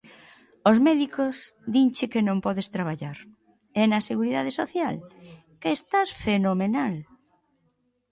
"Os médicos dinche que non podes traballar e na Seguridade Social, que estás fenomenal".